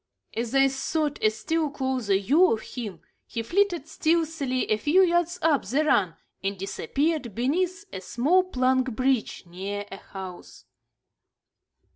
As I sought a still closer view of him, he flitted stealthily a few yards up the run and disappeared beneath a small plank bridge near a house.